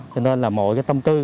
cho nên là mọi cái tâm tư